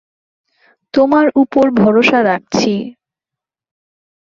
তোমার উপর ভরসা রাখছি।